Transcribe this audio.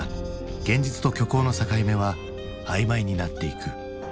現実と虚構の境目は曖昧になっていく。